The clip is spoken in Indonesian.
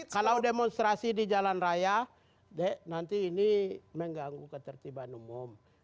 kalau demonstrasi di jalan raya nanti ini mengganggu ketertiban umum